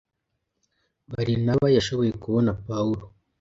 Barinaba yashoboye kubona Pawulo